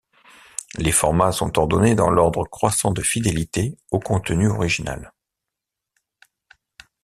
Les formats sont ordonnés dans l'ordre croissant de fidélité au contenu original.